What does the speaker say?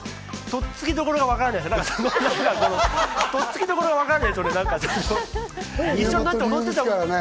とっつきどころがわからないですよね。